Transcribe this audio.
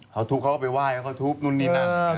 เขาทุบเขาก็ไปไหว้เขาทุบนู่นนี่นั่น